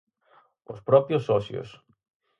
¡Os propios socios!